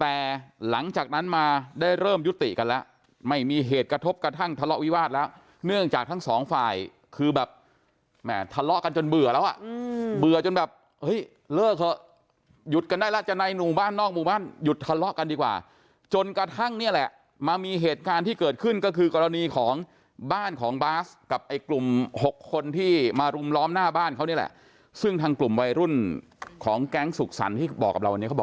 แต่หลังจากนั้นมาได้เริ่มยุติกันแล้วไม่มีเหตุกระทบกระทั่งทะเลาะวิวาสแล้วเนื่องจากทั้งสองฝ่ายคือแบบแหมทะเลาะกันจนเบื่อแล้วอ่ะเบื่อจนแบบเห้ยเลิกแล้วหยุดกันได้แล้วจะในหมู่บ้านนอกหมู่บ้านหยุดทะเลาะกันดีกว่าจนกระทั่งเนี่ยแหละมามีเหตุการณ์ที่เกิดขึ้นก็คือกรณีของบ้านของบาสกับไอ